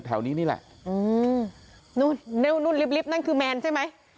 แถวนี้นี่แหละอืมนู่นนู่นนลิปนั่งคือแมนใช่ไหม